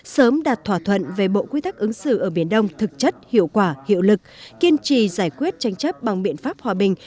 sớm đạt thỏa thuận về bộ quy tắc ứng xử ở biển đông thực chất hiệu quả hiệu lực kiên trì giải quyết tranh chấp bằng biện pháp hòa bình